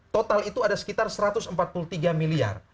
total itu ada sekitar satu ratus empat puluh tiga miliar